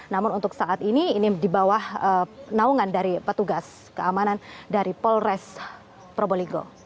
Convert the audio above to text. namun untuk saat ini ini di bawah naungan dari petugas keamanan dari polres probolinggo